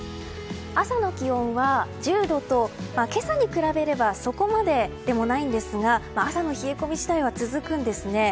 朝の気温は１０度と今朝に比べればそこまででもないんですが朝の冷え込み自体は続くんですね。